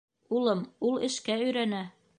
— Улым, ул эшкә өйрәнә.